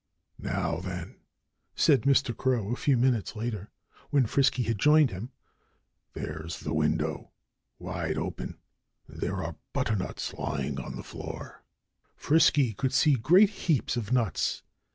"Now, then!" said Mr. Crow a few minutes later, when Frisky had joined him. "There's the window wide open. And there are the butternuts, lying on the floor." Frisky could see great heaps of nuts.